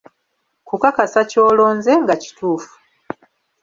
Kukakasa ky'olonze nga kituufu.